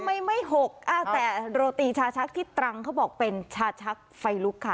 ทำไมไม่หกอ้าวแต่โรตีชาชักที่ตรังเขาบอกเป็นชาชักไฟลุกค่ะ